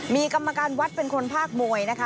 มีกรรมการวัดเป็นคนภาคมวยนะคะ